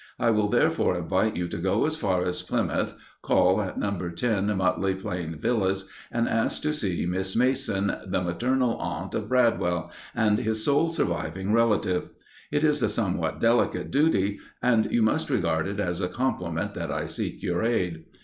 I will therefore invite you to go as far as Plymouth, call at No. 10 Mutley Plain Villas, and ask to see Miss Mason, the maternal aunt of Bradwell, and his sole surviving relative. It is a somewhat delicate duty, and you must regard it as a compliment that I seek your aid.